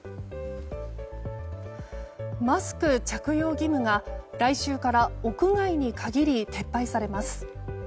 マスク着用義務が来週から屋外に限り撤廃されます。